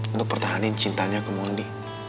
untuk pertahanin cintanya ke mondi